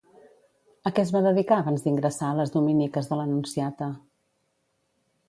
A què es va dedicar abans d'ingressar a les Dominiques de l'Anunciata?